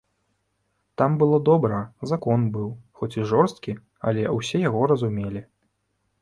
Там было добра, закон быў, хоць і жорсткі, але ўсе яго разумелі.